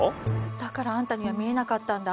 だからあんたには見えなかったんだ